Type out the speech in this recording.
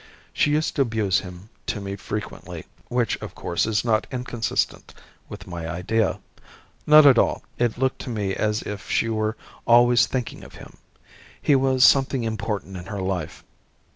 She used to abuse him to me frequently, which, of course, is not inconsistent with my idea. Not at all. It looked to me as if she were always thinking of him. He was something important in her life.